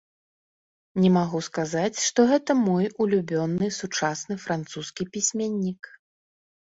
Не магу сказаць, што гэта мой улюбёны сучасны французскі пісьменнік.